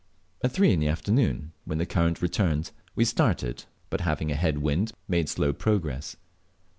At three in the afternoon, when the current turned, we started; but having a head wind, made slow progress.